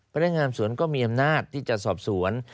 พนักงานสวนก็มีอำนาจที่จะสอบสวน